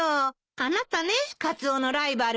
あなたねカツオのライバルは。